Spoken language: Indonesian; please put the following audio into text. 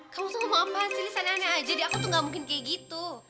kamu ngomong apa sih lisa nanya aja jadi aku tuh gak mungkin kayak gitu